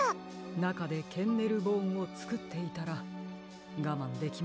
なかでケンネルボーンをつくっていたらがまんできますか？